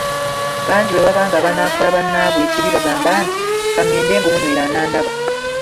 Bangi bwebaba nga banaakola bannaabwe ekibi bagamba nti, “Ka ngende ngumunywere, anandaba".